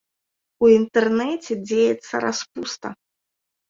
У інтэрнэце дзеецца распуста.